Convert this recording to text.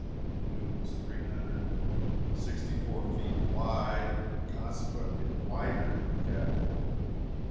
I knew it was three hundred and sixty four feet wide, and consequently wider than the capitol.